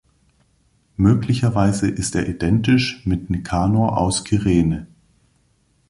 Möglicherweise ist er identisch mit Nikanor aus Kyrene.